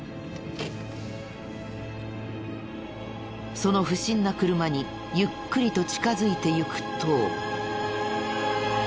その不審な車にゆっくりと近づいていくと。